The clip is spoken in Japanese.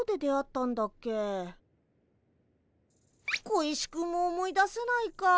小石くんも思い出せないか。